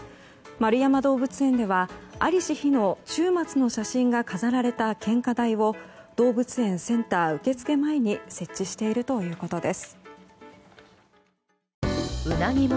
円山動物園では、在りし日の中松の写真が飾られた献花台を動物園センター受付前に設置しているということです。